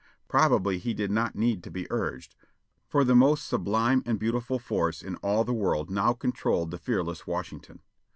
Probably he did not need to be urged, for the most sublime and beautiful force in all the world now controlled the fearless Washington.